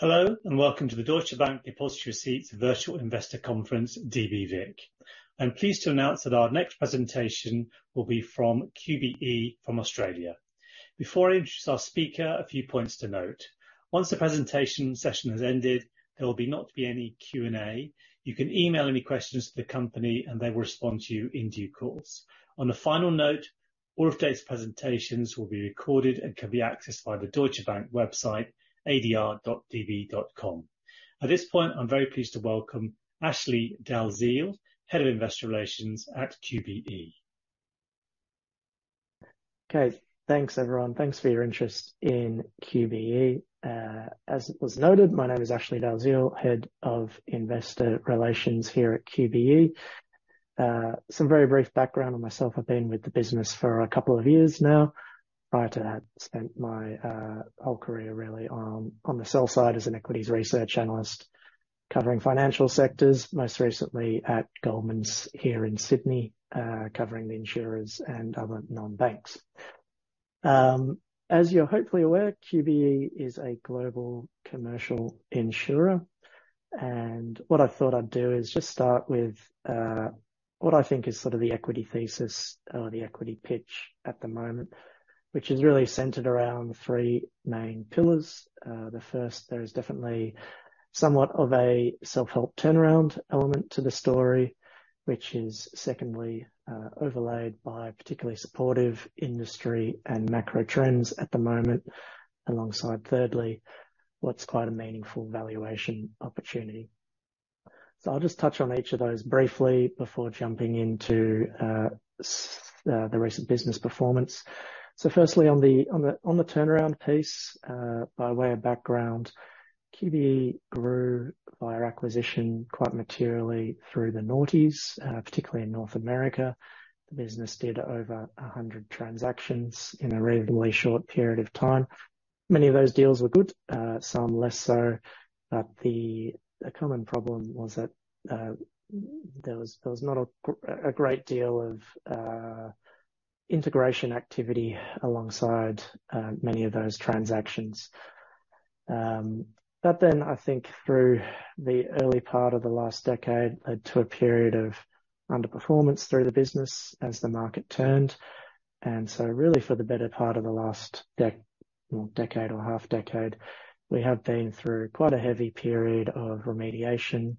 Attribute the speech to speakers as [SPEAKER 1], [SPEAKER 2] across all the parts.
[SPEAKER 1] Hello, and welcome to the Deutsche Bank Depositary Receipts Virtual Investor Conference, dbVIC. I'm pleased to announce that our next presentation will be from QBE from Australia. Before I introduce our speaker, a few points to note: Once the presentation session has ended, there will not be any Q&A. You can email any questions to the company, and they will respond to you in due course. On a final note, all of today's presentations will be recorded and can be accessed via the Deutsche Bank website, adr.db.com. At this point, I'm very pleased to welcome Ashley Dalziell, Head of Investor Relations at QBE.
[SPEAKER 2] Okay. Thanks, everyone. Thanks for your interest in QBE. As it was noted, my name is Ashley Dalziell, Head of Investor Relations here at QBE. Some very brief background on myself. I've been with the business for a couple of years now. Prior to that, spent my whole career really on the sell side as an equities research analyst covering financial sectors, most recently at Goldman's here in Sydney, covering the insurers and other non-banks. As you're hopefully aware, QBE is a global commercial insurer, and what I thought I'd do is just start with what I think is sort of the equity thesis or the equity pitch at the moment, which is really centered around three main pillars. The first, there is definitely somewhat of a self-help turnaround element to the story, which is secondly, overlaid by particularly supportive industry and macro trends at the moment. Alongside, thirdly, what's quite a meaningful valuation opportunity. So I'll just touch on each of those briefly before jumping into the recent business performance. So firstly, on the turnaround piece, by way of background, QBE grew via acquisition quite materially through the noughties, particularly in North America. The business did over 100 transactions in a reasonably short period of time. Many of those deals were good, some less so, but a common problem was that, there was not a great deal of integration activity alongside many of those transactions. But then I think through the early part of the last decade, led to a period of underperformance through the business as the market turned, and so really for the better part of the last well, decade or half decade, we have been through quite a heavy period of remediation.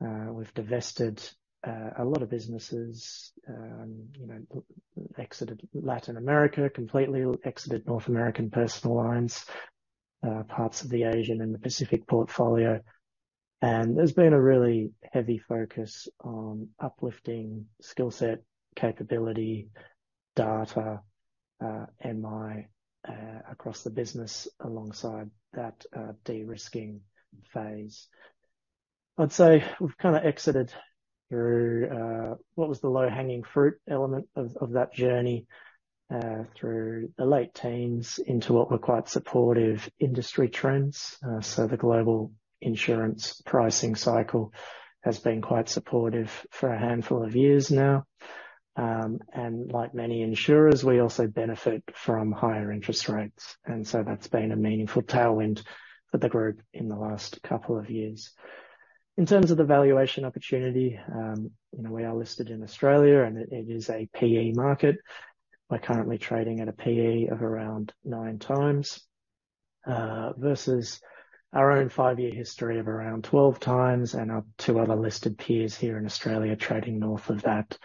[SPEAKER 2] We've divested a lot of businesses, you know, exited Latin America, completely exited North American personal lines, parts of the Asian and the Pacific portfolio. And there's been a really heavy focus on uplifting skill set, capability, data, MI, across the business alongside that, de-risking phase. I'd say we've kinda exited through what was the low-hanging fruit element of that journey, through the late teens into what were quite supportive industry trends. So the global insurance pricing cycle has been quite supportive for a handful of years now. And like many insurers, we also benefit from higher interest rates, and so that's been a meaningful tailwind for the group in the last couple of years. In terms of the valuation opportunity, you know, we are listed in Australia, and it is a PE market. We're currently trading at a PE of around 9 times, versus our own five-year history of around 12 times, and our 2 other listed peers here in Australia trading north of that.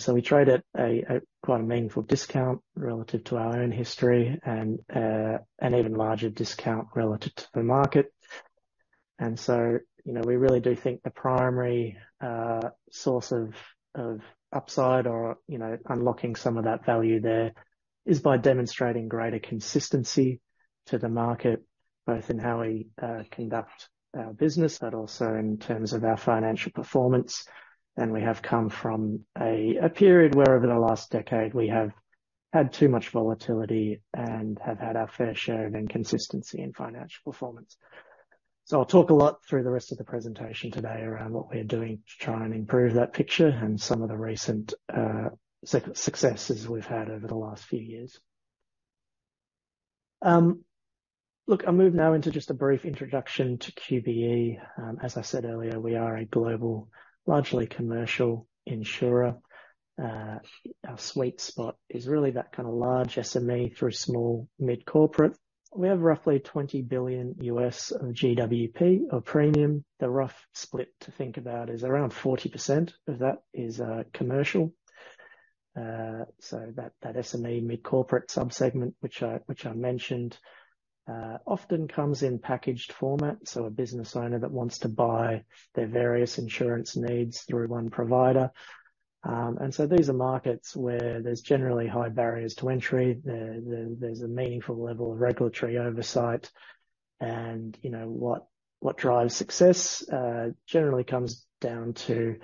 [SPEAKER 2] So we trade at a quite meaningful discount relative to our own history and, an even larger discount relative to the market. And so, you know, we really do think the primary source of upside or, you know, unlocking some of that value there is by demonstrating greater consistency to the market, both in how we conduct our business, but also in terms of our financial performance. We have come from a period where over the last decade we have had too much volatility and have had our fair share of inconsistency in financial performance. So I'll talk a lot through the rest of the presentation today around what we are doing to try and improve that picture and some of the recent successes we've had over the last few years. Look, I'll move now into just a brief introduction to QBE. As I said earlier, we are a global, largely commercial insurer. Our sweet spot is really that kind of large SME through small mid-corporate. We have roughly $20 billion of GWP of premium. The rough split to think about is around 40% of that is commercial. So that SME mid-corporate sub-segment, which I mentioned often, comes in packaged format, so a business owner that wants to buy their various insurance needs through one provider. And so these are markets where there's generally high barriers to entry. There's a meaningful level of regulatory oversight and, you know, what drives success generally comes down to,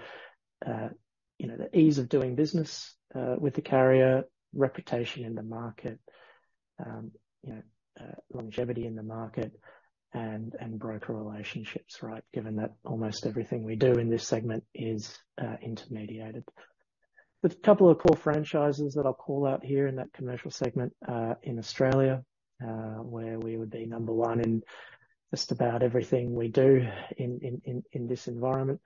[SPEAKER 2] you know, the ease of doing business with the carrier, reputation in the market. You know, longevity in the market and broker relationships, right? Given that almost everything we do in this segment is intermediated. With a couple of core franchises that I'll call out here in that commercial segment, in Australia, where we would be number one in just about everything we do in this environment.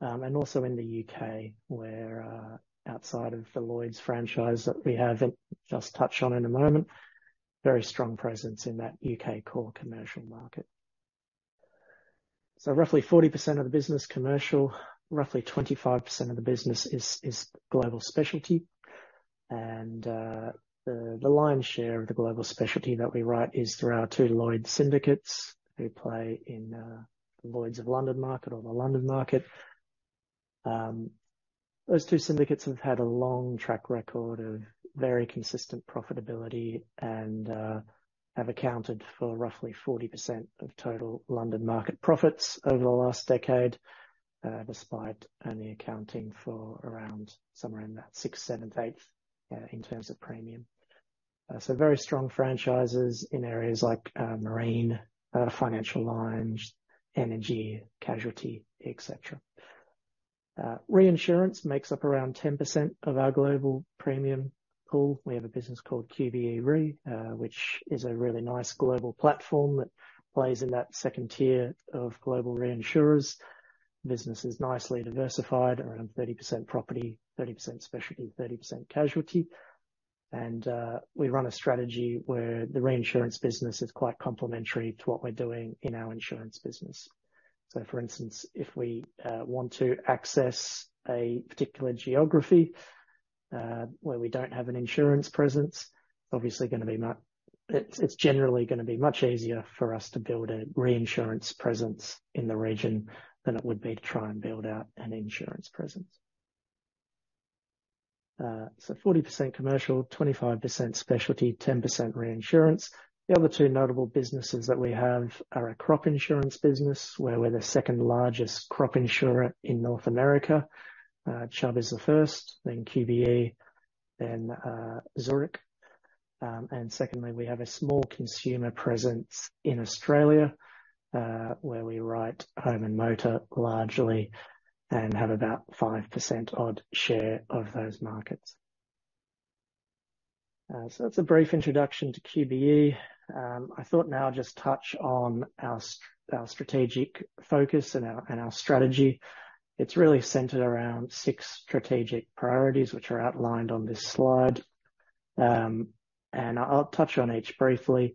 [SPEAKER 2] And also in the U.K., where, outside of the Lloyd's franchise that we have, and just touch on in a moment, very strong presence in that U.K. core commercial market. So roughly 40% of the business commercial, roughly 25% of the business is global specialty. And, the lion's share of the global specialty that we write is through our two Lloyd's syndicates, who play in the Lloyd's of London market or the London market. Those two syndicates have had a long track record of very consistent profitability and have accounted for roughly 40% of total London market profits over the last decade, despite only accounting for around somewhere in that 6th, 7th, 8th in terms of premium. So very strong franchises in areas like marine, financial lines, energy, casualty, et cetera. Reinsurance makes up around 10% of our global premium pool. We have a business called QBE Re, which is a really nice global platform that plays in that second tier of global reinsurers. Business is nicely diversified, around 30% property, 30% specialty, 30% casualty. And we run a strategy where the reinsurance business is quite complementary to what we're doing in our insurance business. So for instance, if we want to access a particular geography where we don't have an insurance presence, obviously gonna be much, it's generally gonna be much easier for us to build a reinsurance presence in the region than it would be to try and build out an insurance presence. So 40% commercial, 25% specialty, 10% reinsurance. The other two notable businesses that we have are a crop insurance business, where we're the second largest crop insurer in North America. Chubb is the first, then QBE, then Zurich. And secondly, we have a small consumer presence in Australia, where we write home and motor largely, and have about 5% odd share of those markets. So that's a brief introduction to QBE. I thought now just touch on our strategic focus and our strategy. It's really centered around six strategic priorities, which are outlined on this slide. I'll touch on each briefly.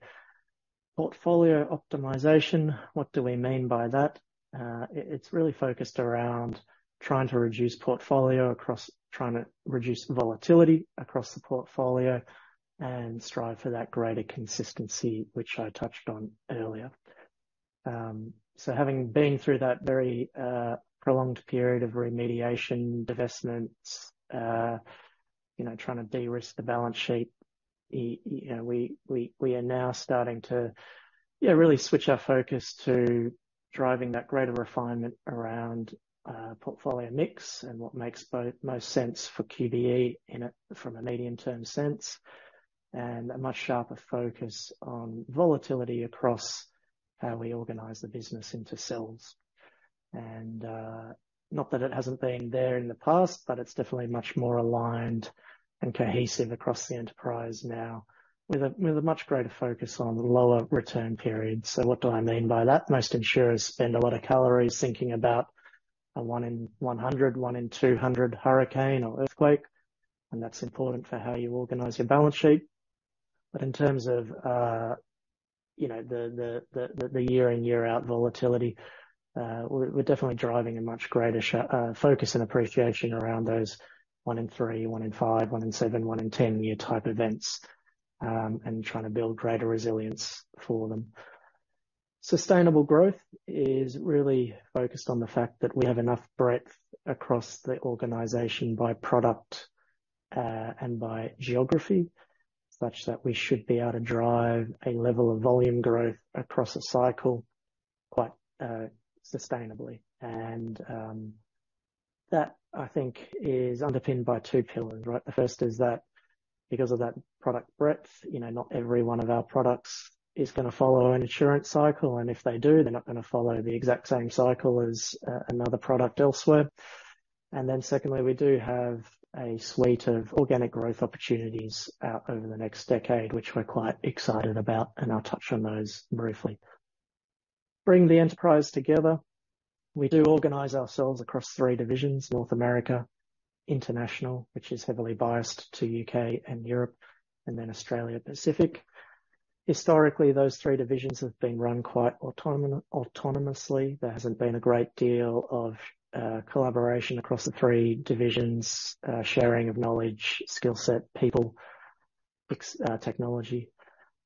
[SPEAKER 2] Portfolio optimization, what do we mean by that? It's really focused around trying to reduce volatility across the portfolio and strive for that greater consistency, which I touched on earlier. So having been through that very prolonged period of remediation, divestments, you know, trying to de-risk the balance sheet, you know, we are now starting to, yeah, really switch our focus to driving that greater refinement around portfolio mix and what makes most sense for QBE in a from a medium-term sense, and a much sharper focus on volatility across how we organize the business into cells. Not that it hasn't been there in the past, but it's definitely much more aligned and cohesive across the enterprise now, with a much greater focus on lower return periods. So what do I mean by that? Most insurers spend a lot of calories thinking about a 1 in 100, 1 in 200 hurricane or earthquake, and that's important for how you organize your balance sheet. But in terms of, you know, the year in, year out volatility, we're definitely driving a much greater focus and appreciation around those 1 in 3, 1 in 5, 1 in 7, 1 in 10-year type events, and trying to build greater resilience for them. Sustainable growth is really focused on the fact that we have enough breadth across the organization by product and by geography, such that we should be able to drive a level of volume growth across a cycle quite sustainably. And that, I think, is underpinned by two pillars, right? The first is that because of that product breadth, you know, not every one of our products is gonna follow an insurance cycle, and if they do, they're not gonna follow the exact same cycle as another product elsewhere. And then secondly, we do have a suite of organic growth opportunities out over the next decade, which we're quite excited about, and I'll touch on those briefly. Bring the enterprise together. We do organize ourselves across three divisions, North America, International, which is heavily biased to U.K. and Europe, and then Australia-Pacific. Historically, those three divisions have been run quite autonomously. There hasn't been a great deal of collaboration across the three divisions, sharing of knowledge, skill set, people, technology.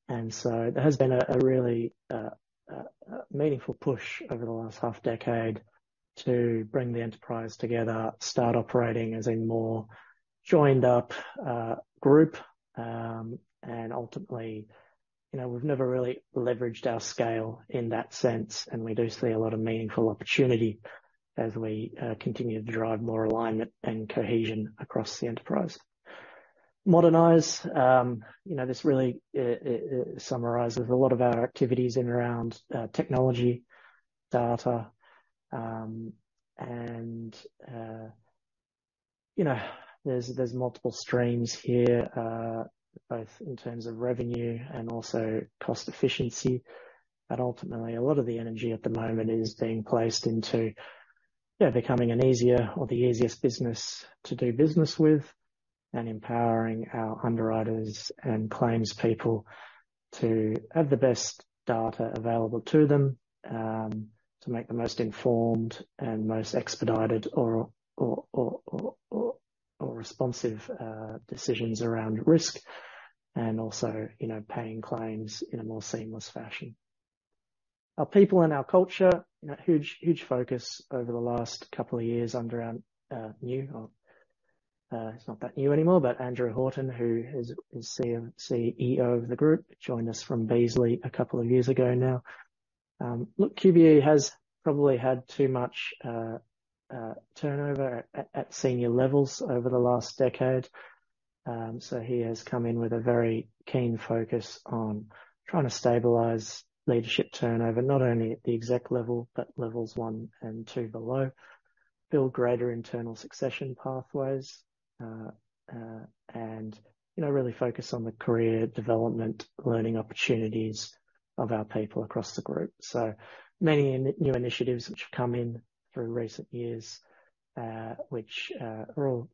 [SPEAKER 2] And so there has been a really meaningful push over the last half decade to bring the enterprise together, start operating as a more joined up group, and ultimately. You know, we've never really leveraged our scale in that sense, and we do see a lot of meaningful opportunity as we continue to drive more alignment and cohesion across the enterprise. Modernize, you know, this really summarizes a lot of our activities in and around technology, data. And you know, there's multiple streams here, both in terms of revenue and also cost efficiency. But ultimately, a lot of the energy at the moment is being placed into, yeah, becoming an easier or the easiest business to do business with, and empowering our underwriters and claims people to have the best data available to them, to make the most informed and most expedited or responsive decisions around risk, and also, you know, paying claims in a more seamless fashion. Our people and our culture, you know, huge, huge focus over the last couple of years under our new, he's not that new anymore, but Andrew Horton, who is CEO of the group, joined us from Beazley a couple of years ago now. Look, QBE has probably had too much turnover at senior levels over the last decade. So he has come in with a very keen focus on trying to stabilize leadership turnover, not only at the exec level, but levels one and two below, build greater internal succession pathways, and, you know, really focus on the career development, learning opportunities of our people across the group. So many new initiatives which have come in through recent years, which are all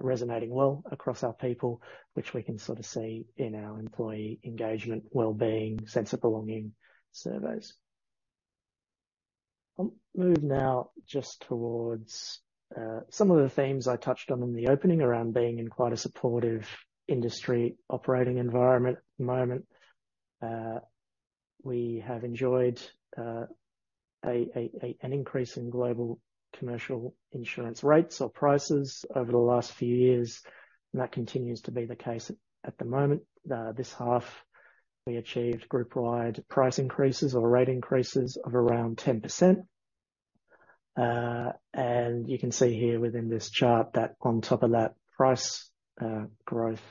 [SPEAKER 2] resonating well across our people, which we can sort of see in our employee engagement, wellbeing, sense of belonging surveys. I'll move now just towards some of the themes I touched on in the opening around being in quite a supportive industry operating environment at the moment. We have enjoyed an increase in global commercial insurance rates or prices over the last few years, and that continues to be the case at the moment. This half, we achieved group-wide price increases or rate increases of around 10%. And you can see here within this chart that on top of that price growth,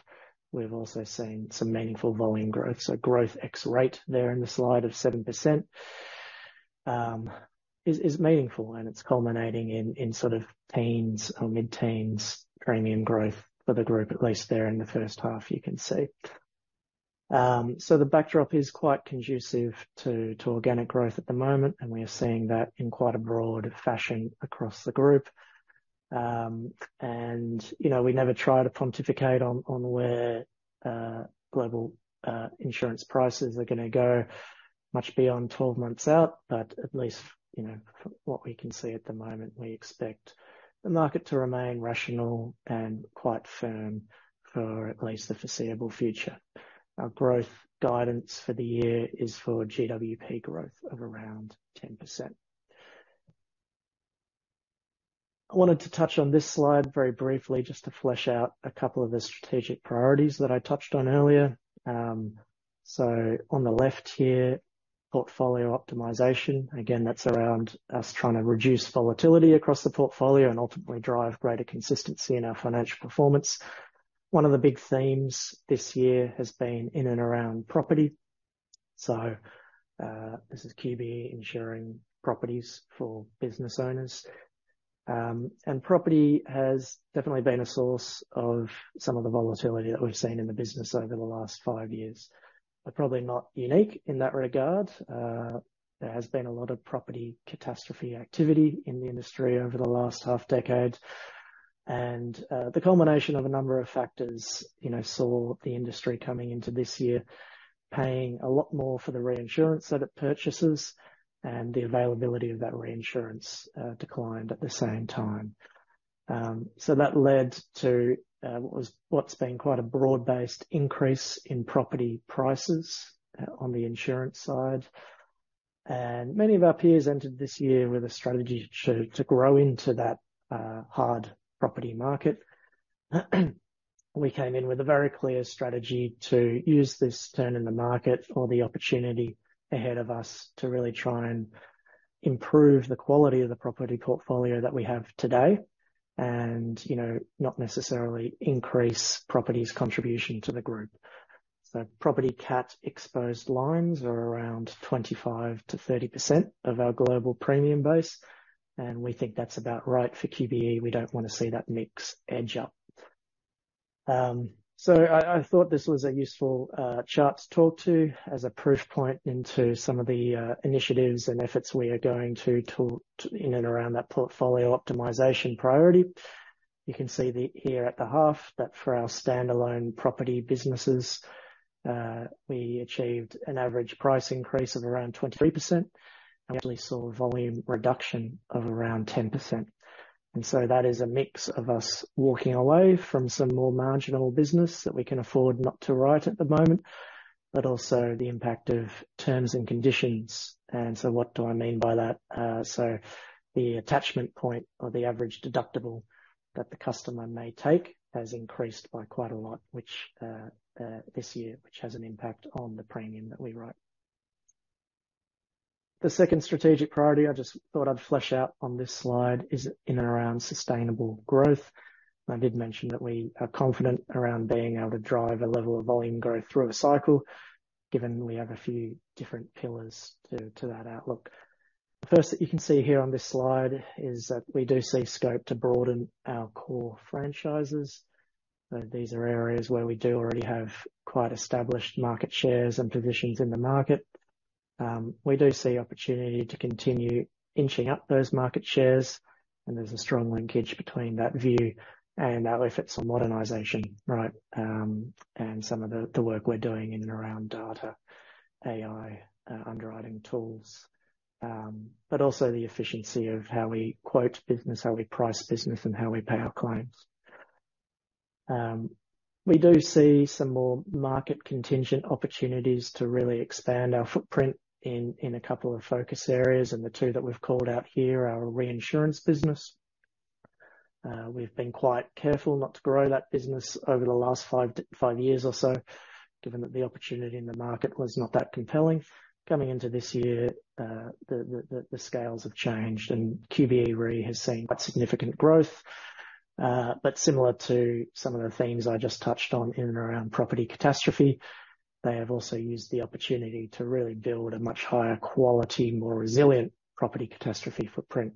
[SPEAKER 2] we've also seen some meaningful volume growth. So growth ex-rate there in the slide of 7% is meaningful, and it's culminating in sort of teens or mid-teens premium growth for the group, at least there in the first half, you can see. So the backdrop is quite conducive to organic growth at the moment, and we are seeing that in quite a broad fashion across the group. And, you know, we never try to pontificate on where global insurance prices are gonna go much beyond 12 months out, but at least you know, from what we can see at the moment, we expect the market to remain rational and quite firm for at least the foreseeable future. Our growth guidance for the year is for GWP growth of around 10%. I wanted to touch on this slide very briefly, just to flesh out a couple of the strategic priorities that I touched on earlier. So on the left here, portfolio optimization. Again, that's around us trying to reduce volatility across the portfolio and ultimately drive greater consistency in our financial performance. One of the big themes this year has been in and around property. So, this is QBE insuring properties for business owners. And property has definitely been a source of some of the volatility that we've seen in the business over the last five years, but probably not unique in that regard. There has been a lot of property catastrophe activity in the industry over the last half decade, and the culmination of a number of factors, you know, saw the industry coming into this year paying a lot more for the reinsurance that it purchases, and the availability of that reinsurance declined at the same time. So that led to what's been quite a broad-based increase in property prices on the insurance side. And many of our peers entered this year with a strategy to grow into that hard property market. We came in with a very clear strategy to use this turn in the market or the opportunity ahead of us, to really try and improve the quality of the property portfolio that we have today, and, you know, not necessarily increase property's contribution to the group. So property cat exposed lines are around 25%-30% of our global premium base, and we think that's about right for QBE. We don't wanna see that mix edge up. I thought this was a useful chart to talk to as a proof point into some of the initiatives and efforts we are going to talk to in and around that portfolio optimization priority. You can see, here at the half, that for our standalone property businesses, we achieved an average price increase of around 23%, and we actually saw a volume reduction of around 10%. And so that is a mix of us walking away from some more marginal business that we can afford not to write at the moment, but also the impact of terms and conditions. And so what do I mean by that? So the attachment point or the average deductible that the customer may take has increased by quite a lot, which this year, which has an impact on the premium that we write. The second strategic priority I just thought I'd flesh out on this slide is in and around sustainable growth. I did mention that we are confident around being able to drive a level of volume growth through a cycle, given we have a few different pillars to that outlook. First, you can see here on this slide is that we do see scope to broaden our core franchises. These are areas where we do already have quite established market shares and positions in the market. We do see opportunity to continue inching up those market shares, and there's a strong linkage between that view and our efforts on modernization, right? And some of the work we're doing in and around data, AI, underwriting tools, but also the efficiency of how we quote business, how we price business, and how we pay our claims. We do see some more market contingent opportunities to really expand our footprint in a couple of focus areas, and the two that we've called out here are our reinsurance business. We've been quite careful not to grow that business over the last five to five years or so, given that the opportunity in the market was not that compelling. Coming into this year, the scales have changed, and QBE Re has seen quite significant growth. But similar to some of the themes I just touched on in and around property catastrophe, they have also used the opportunity to really build a much higher quality, more resilient property catastrophe footprint,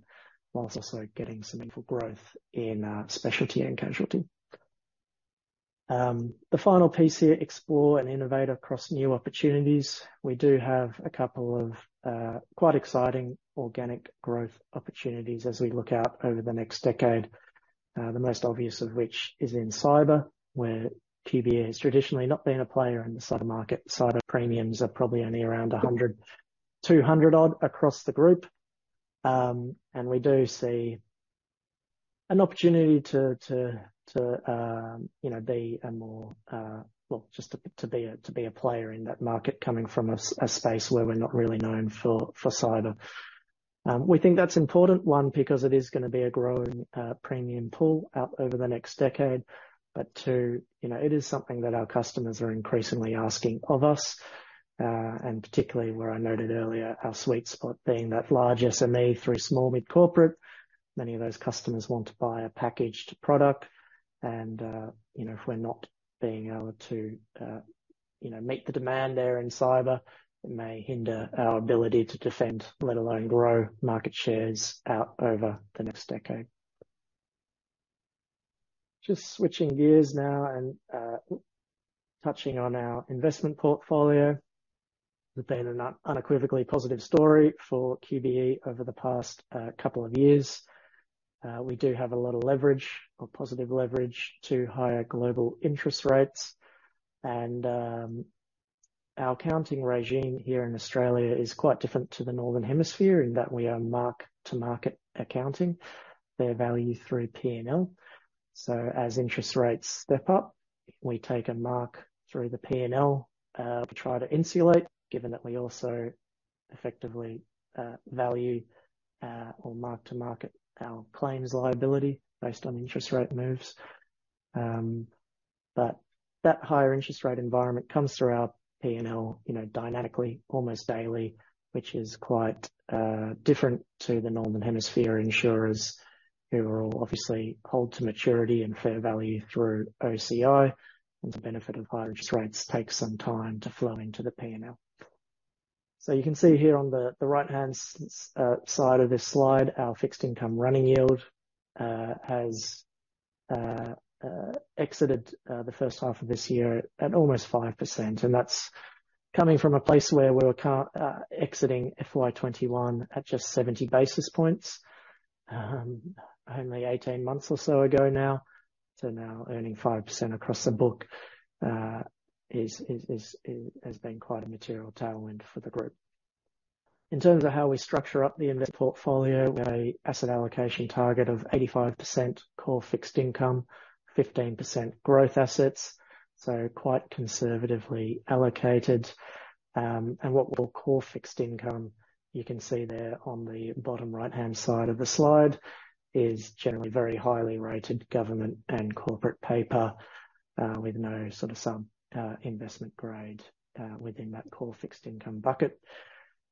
[SPEAKER 2] whilst also getting some meaningful growth in specialty and casualty. The final piece here, explore and innovate across new opportunities. We do have a couple of quite exciting organic growth opportunities as we look out over the next decade. The most obvious of which is in cyber, where QBE has traditionally not been a player in the cyber market. Cyber premiums are probably only around $100, $200-odd across the group. And we do see an opportunity to you know be a more. Well, just to be a player in that market coming from a space where we're not really known for cyber. We think that's important, one, because it is gonna be a growing premium pool out over the next decade, but two, you know, it is something that our customers are increasingly asking of us, and particularly where I noted earlier, our sweet spot being that large SME through small, mid-corporate. Many of those customers want to buy a packaged product and, you know, if we're not being able to, you know, meet the demand there in cyber, it may hinder our ability to defend, let alone grow market shares out over the next decade. Just switching gears now and, touching on our investment portfolio. It's been an unequivocally positive story for QBE over the past, couple of years. We do have a lot of leverage or positive leverage to higher global interest rates. And, our accounting regime here in Australia is quite different to the Northern Hemisphere in that we are mark-to-market accounting their value through P&L. So as interest rates step up, we take a mark through the P&L to try to insulate, given that we also effectively value or mark to market our claims liability based on interest rate moves. But that higher interest rate environment comes through our P&L, you know, dynamically, almost daily, which is quite different to the Northern Hemisphere insurers, who will obviously hold to maturity and fair value through OCI, and the benefit of high interest rates takes some time to flow into the P&L. So you can see here on the right-hand side of this slide, our fixed income running yield has exited the first half of this year at almost 5%, and that's coming from a place where we were exiting FY 2021 at just 70 basis points only 18 months or so ago now. So now earning 5% across the book has been quite a material tailwind for the group. In terms of how we structure up the investment portfolio, we have an asset allocation target of 85% core fixed income, 15% growth assets, so quite conservatively allocated. What we call core fixed income, you can see there on the bottom right-hand side of the slide, is generally very highly rated government and corporate paper, with investment grade within that core fixed income bucket.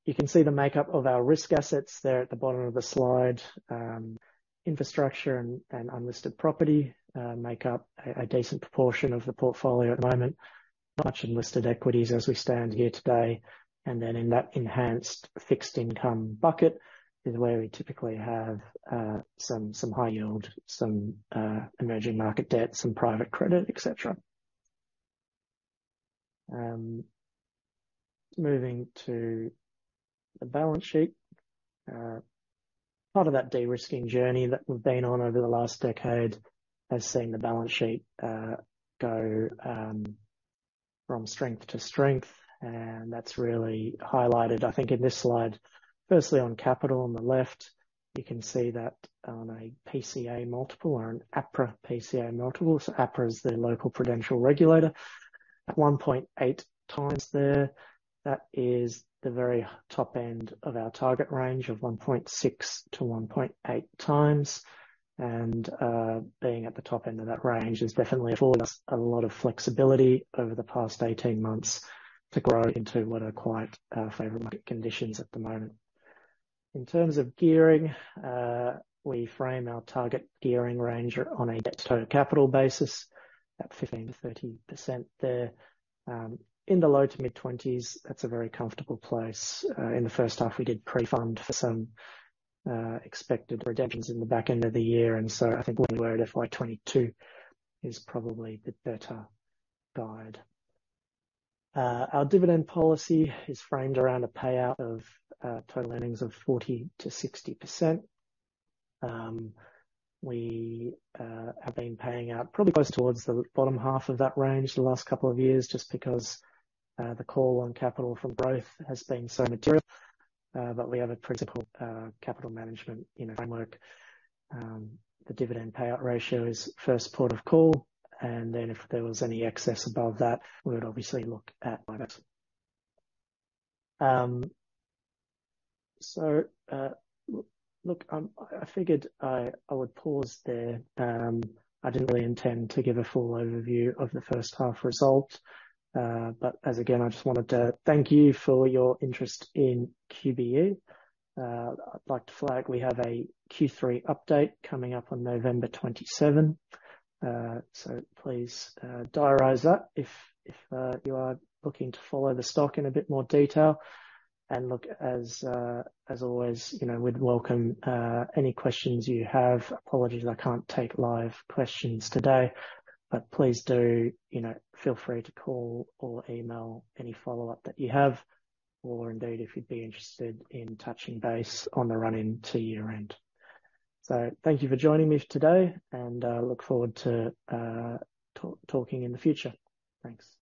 [SPEAKER 2] You can see the makeup of our risk assets there at the bottom of the slide. Infrastructure and unlisted property make up a decent proportion of the portfolio at the moment. Much unlisted equities as we stand here today, and then in that enhanced fixed income bucket is where we typically have some high yield, some emerging market debt, some private credit, et cetera. Moving to the balance sheet. Part of that de-risking journey that we've been on over the last decade has seen the balance sheet go from strength to strength, and that's really highlighted, I think, in this slide. Firstly, on capital, on the left, you can see that on a PCA multiple or an APRA PCA multiple, so APRA is the local prudential regulator, at 1.8x there. That is the very top end of our target range of 1.6x-1.8x. Being at the top end of that range has definitely afforded us a lot of flexibility over the past 18 months to grow into what are quite favorable market conditions at the moment. In terms of gearing, we frame our target gearing range on a debt-to-total capital basis at 15%-30% there. In the low to mid-20s, that's a very comfortable place. In the first half, we did pre-fund for some expected redemptions in the back end of the year, and so I think where we were at FY 2022 is probably the better guide. Our dividend policy is framed around a payout of total earnings of 40%-60%. We have been paying out probably close towards the bottom half of that range the last couple of years, just because the call on capital from growth has been so material, but we have a principal capital management, you know, framework. The dividend payout ratio is first port of call, and then if there was any excess above that, we would obviously look at others. I figured I would pause there. I didn't really intend to give a full overview of the first half result. But as again, I just wanted to thank you for your interest in QBE. I'd like to flag we have a Q3 update coming up on November 27. So please, diarize that if, if, you are looking to follow the stock in a bit more detail. And look, as always, you know, we'd welcome, any questions you have. Apologies, I can't take live questions today, but please do, you know, feel free to call or email any follow-up that you have, or indeed, if you'd be interested in touching base on the run-in to year-end. So thank you for joining me today, and, look forward to, talking in the future. Thanks.